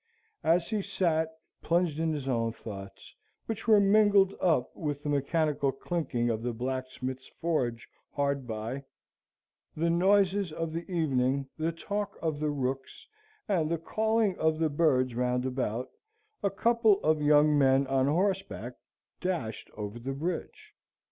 As he sate plunged in his own thoughts, which were mingled up with the mechanical clinking of the blacksmith's forge hard by, the noises of the evening, the talk of the rooks, and the calling of the birds round about a couple of young men on horseback dashed over the bridge.